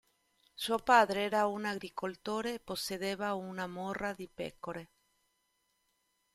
Suo padre era un agricoltore e possedeva una morra di pecore.